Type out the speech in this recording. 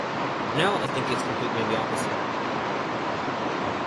Now, I think it's completely the opposite.